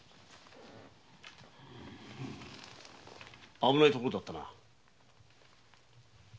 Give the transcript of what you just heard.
危ないところだったな。